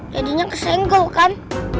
jadinya kesenggol kan